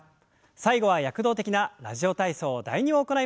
最後は躍動的な「ラジオ体操第２」を行います。